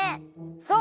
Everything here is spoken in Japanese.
そう！